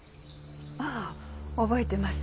ああ覚えてますよ。